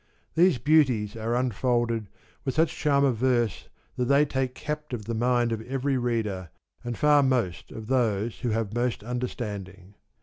These beauties are unfolded with such charm of verse that they take captive the mind of every reader, and far most of those who have most understanding.